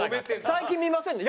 「最近見ませんね」